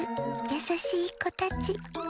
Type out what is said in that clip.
やさしいこたち。